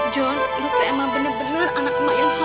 jon lo tuh emang bener bener anak emak yang senang